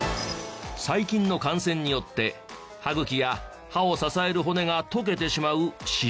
細菌の感染によって歯茎や歯を支える骨が溶けてしまう歯周病。